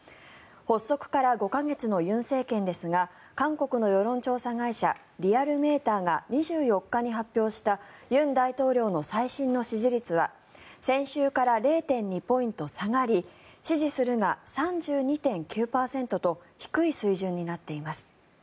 発足から５か月の尹政権ですが韓国の世論調査会社リアルメーターが２４日に発表した尹大統領の最新の支持率は先週から０．２ポイント下がり支持するが３２．９％と低い水準になっています。